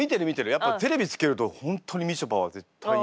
やっぱテレビつけると本当にみちょぱは絶対に出てる。